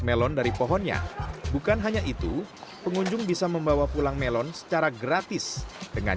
melon dari pohonnya bukan hanya itu pengunjung bisa membawa pulang melon secara gratis dengan